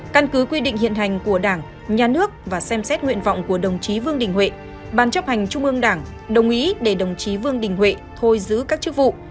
căn cứ quy định hiện hành của đảng nhà nước và xem xét nguyện vọng của đồng chí vương đình huệ ban chấp hành trung ương đảng đồng ý để đồng chí vương đình huệ thôi giữ các chức vụ